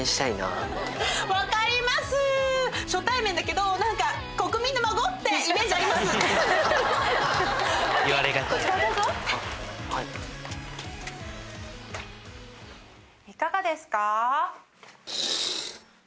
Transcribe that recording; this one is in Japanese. いかがですか？